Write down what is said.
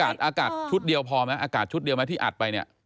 อากาศชุดเดียวพอไหมอากาศชุดเดียวไหมที่อัดไปเนี่ย